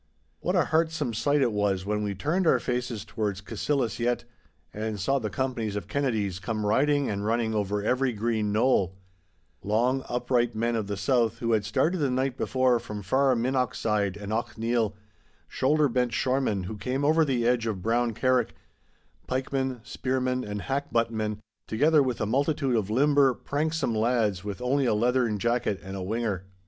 What a heartsome sight it was when we turned our faces towards Cassillis Yett, and saw the companies of Kennedies come riding and running over every green knoll—long, upright men of the South who had started the night before from far Minnochside and Auchneil, shoulder bent shoremen who came over the edge of Brown Carrick, pikemen, spearmen, and hackbuttmen, together with a multitude of limber, pranksome lads with only a leathern jacket and a whinger.